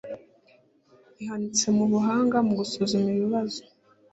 ihanitse mu buhanga mu gusuzuma ibibazo